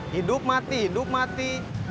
hidup mati hidup mati